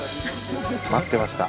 待ってました。